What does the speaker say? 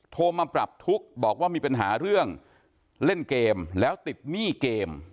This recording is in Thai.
โทรมาปรับทุกข์บอกว่ามีปัญหาเรื่องเล่นเกมแล้วติดหนี้เกม